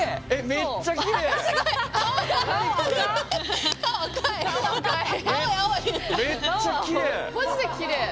めっちゃきれい。